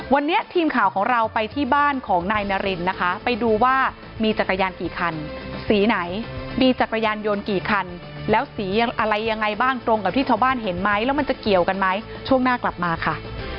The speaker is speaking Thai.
วันนี้ทีมข่าวของเราไปที่บ้านของนายนารินนะคะไปดูว่ามีจักรยานกี่คันสีไหนมีจักรยานยนต์กี่คันแล้วสีอะไรยังไงบ้างตรงกับที่ชาวบ้านเห็นไหมแล้วมันจะเกี่ยวกันไหมช่วงหน้ากลับมาค่ะ